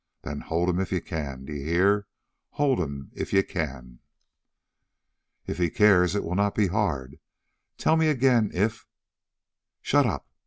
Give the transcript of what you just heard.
Then hold him if you can. D'ye hear? Hold him if you can!" "If he cares it will not be hard. Tell me again, if " "Shut up.